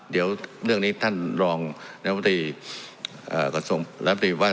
เดี๋ยวเรื่องนี้ท่านลองนับประตรีเอ่อกระทรงนับประตรีว่า